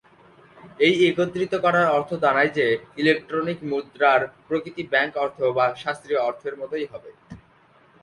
এই একত্রিত করার অর্থ দাঁড়ায় যে, ইলেক্ট্রনিক মুদ্রার প্রকৃতি ব্যাংক অর্থ বা শাস্ত্রীয় অর্থের মতই হবে।